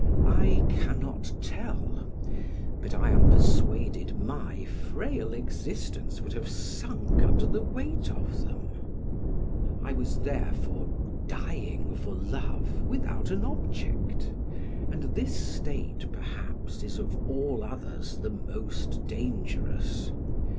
I cannot tell, but I am persuaded my frail existence would have sunk under the weight of them. I was, therefore, dying for love without an object, and this state, perhaps, is, of all others, the most dangerous.